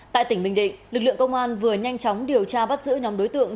tại tỉnh bình định lực lượng công an vừa nhanh chóng điều tra bắt giữ nhóm đối tượng